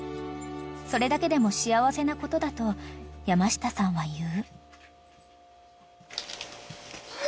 ［それだけでも幸せなことだと山下さんは言う］